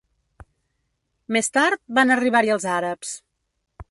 Més tard, van arribar-hi els àrabs.